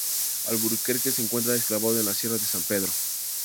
Alburquerque se encuentra enclavado en la Sierra de San Pedro.